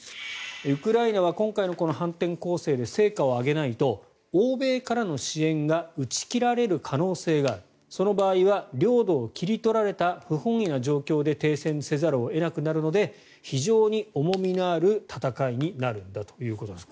ウクライナは今回の反転攻勢で成果を上げないと欧米からの支援が打ち切られる可能性があるその場合は領土を切り取られた不本意な状況で停戦せざるを得なくなるので非常に重みのある戦いになるんだということです。